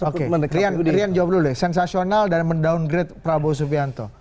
oke rian jawab dulu deh sensasional dan mendowngrade prabowo subianto